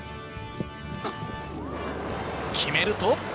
決めると。